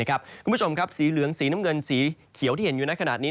คุณผู้ชมครับสีเหลืองสีน้ำเงินสีเขียวที่เห็นอยู่ในขณะนี้